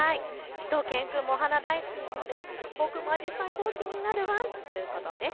しゅと犬くんもお花大好きなので僕もあじさい号気になるワンということです。